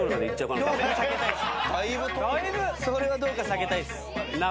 それはどうか避けたいっす。